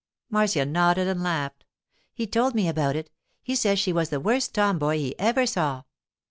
Marcia nodded and laughed. 'He told me about it—he says she was the worst tom boy he ever saw.